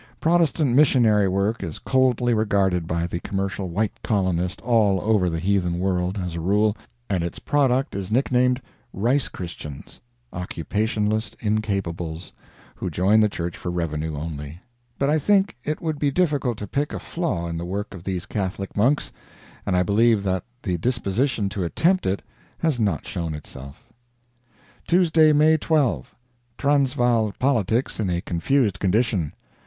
Protestant Missionary work is coldly regarded by the commercial white colonist all over the heathen world, as a rule, and its product is nicknamed "rice Christians" (occupationless incapables who join the church for revenue only), but I think it would be difficult to pick a flaw in the work of these Catholic monks, and I believe that the disposition to attempt it has not shown itself. Tuesday, May 12. Transvaal politics in a confused condition.